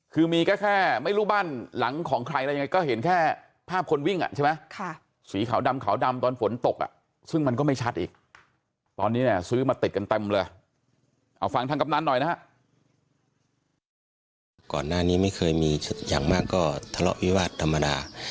ก่อนหน้านี้ไม่เคยมีอย่างมากก็ทะเลาะวิวาสธรรมดา